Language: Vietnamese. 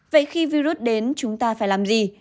vậy khi virus đến chúng ta phải làm gì